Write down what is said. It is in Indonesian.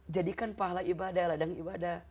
jadikan pahala ibadah ladang ibadah